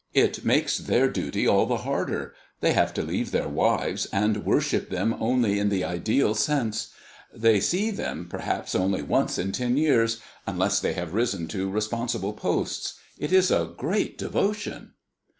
It makes their duty all the harder. They have to leave their wives, and worship them only in the ideal sense. They see them, perhaps, only once in ten years, unless they have risen to responsible posts. It is a great devotion."